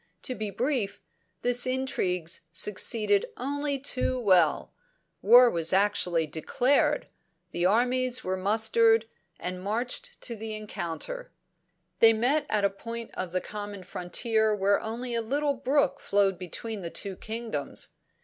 To be brief, these intrigues succeeded only too well; war was actually declared, the armies were mustered, and marched to the encounter. "'They met at a point of the common frontier where only a little brook flowed between the two kingdoms.